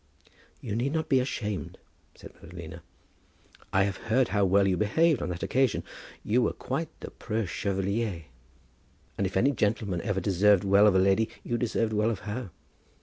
"You need not be ashamed," said Madalina. "I have heard how well you behaved on that occasion. You were quite the preux chevalier; and if any gentleman ever deserved well of a lady you deserved well of her.